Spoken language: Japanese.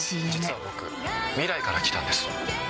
実は僕、未来から来たんです。